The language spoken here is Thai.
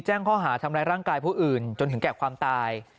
แจ้งข้อหาทำร้ายร่างกายผู้อื่นจนถึงแก่ความตาย